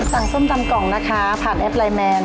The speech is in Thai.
ส้มตำกล่องนะคะผ่านแอปไลน์แมน